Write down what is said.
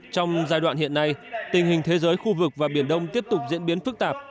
trong giai đoạn hiện nay tình hình thế giới khu vực và biển đông tiếp tục diễn biến phức tạp